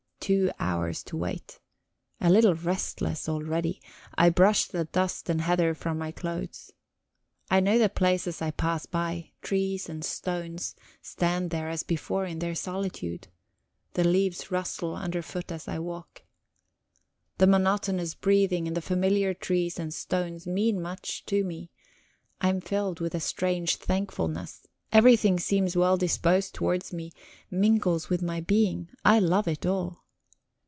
Two hours to wait; a little restless already, I brush the dust and heather from my clothes. I know the places I pass by, trees and stones stand there as before in their solitude; the leaves rustle underfoot as I walk. The monotonous breathing and the familiar trees and stones mean much to me; I am filled with a strange thankfulness; everything seems well disposed towards me, mingles with my being; I love it all.